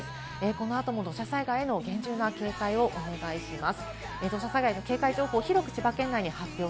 この後も土砂災害への厳重な警戒をお願いします。